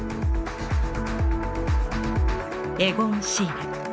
エゴン・シーレ。